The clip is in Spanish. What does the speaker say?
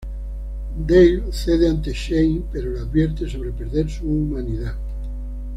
Dale cede ante Shane, pero le advierte sobre perder su humanidad.